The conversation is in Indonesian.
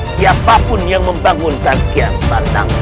siapapun yang membangunkan kian santang